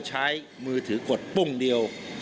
ใช้มือถือกดปุ้งเดียว